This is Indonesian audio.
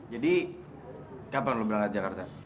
jadi kapan lo berangkat ke jakarta